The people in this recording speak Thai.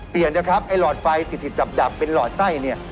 เปลี่ยนลอดไฟติดดับเป็นลอดไส้